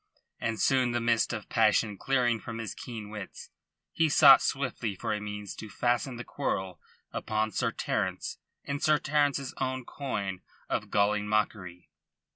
And soon the mist of passion clearing from his keen wits, he sought swiftly for a means to fasten the quarrel upon Sir Terence in Sir Terence's own coin of galling mockery.